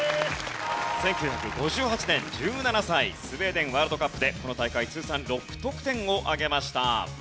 １９５８年１７歳スウェーデンワールドカップでこの大会通算６得点を挙げました。